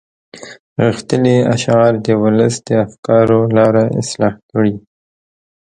غښتلي اشعار د ولس د افکارو لاره اصلاح کړي.